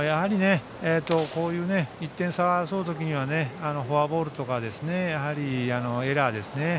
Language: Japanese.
こういう１点差を争う時にはフォアボールとかエラーですね。